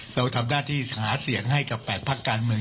เราทำหน้าที่หาเสียงให้กับ๘พักการเมือง